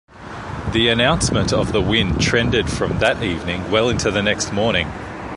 The announcement of the win trended from that evening well into the next morning.